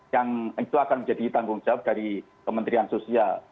yang itu akan menjadi tanggung jawab dari kementerian sosial